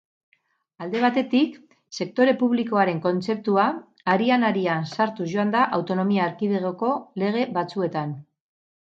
Alde batetik, «sektore publikoaren» kontzeptua arian-arian sartuz joan da Autonomia Erkidegoko lege batzuetan.